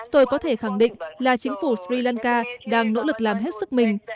tôi có thể khẳng định là chính phủ sri lanka đang nỗ lực làm hết sức mình